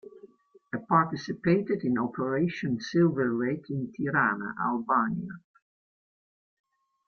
A participated in Operation Silver Wake in Tirana, Albania.